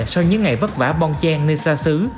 sau những ngày vất vả bong chen nên xa xứ